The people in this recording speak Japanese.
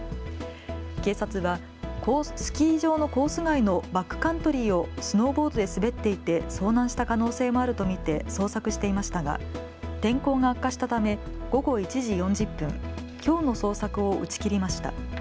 警察はスキー場のコース外のバックカントリーをスノーボードで滑っていて遭難した可能性もあると見て捜索していましたが天候が悪化したため午後１時４０分、きょうの捜索を打ち切りました。